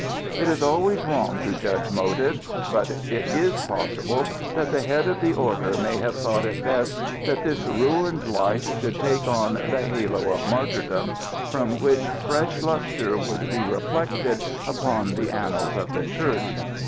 It is always wrong to judge motives; but it is possible that the head of the Order may have thought it best that this ruined life should take on the halo of martyrdom, from which fresh lustre would be reflected upon the annals of the Church.